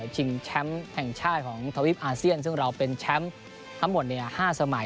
ชิงแชมป์แห่งชาติของทวิปอาเซียนซึ่งเราเป็นแชมป์ทั้งหมด๕สมัย